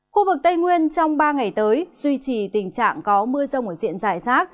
khu vực tây nguyên trong ba ngày tới duy trì tình trạng có mưa rông ở diện giải rác